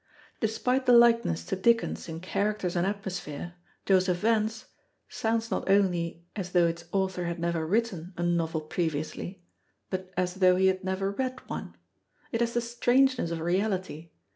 Despite the likeness to Dickens in characters and atmosphere, Joseph Vance sounds not only as though its author had never written a novel previously, but as though he had never read one. It has the strangeness of reality.